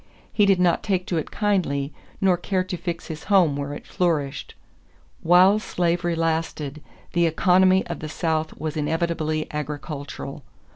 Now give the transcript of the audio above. He did not take to it kindly nor care to fix his home where it flourished. While slavery lasted, the economy of the South was inevitably agricultural.